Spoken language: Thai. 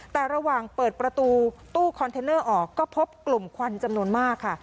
แต่ระหว่างเปิดประตูตู้คอนเทนเนอร์ออกก็พบกลุ่มควันจำนวนมากค่ะ